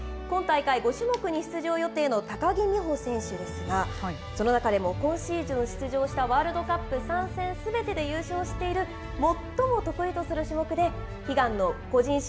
今大会、５種目に出場予定の高木美帆選手ですが、その中でも今シーズン出場したワールドカップ３戦すべてで優勝している、最も得意とする種目で、悲願の個人